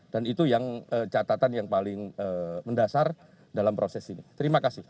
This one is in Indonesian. dan itu catatan yang paling mendasar dalam proses ini terima kasih